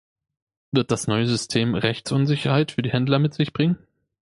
Wird das neue System Rechtsunsicherheit für die Händler mit sich bringen?